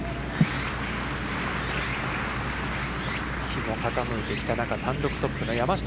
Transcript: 日も傾いてきた中単独トップの山下。